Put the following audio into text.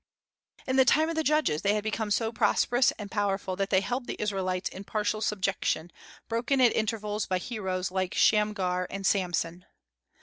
In the time of the Judges they had become so prosperous and powerful that they held the Israelites in partial subjection, broken at intervals by heroes like Shamgar and Samson.